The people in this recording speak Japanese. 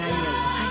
はい。